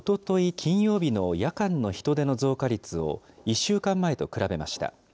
金曜日の夜間の人出の増加率を１週間前と比べました。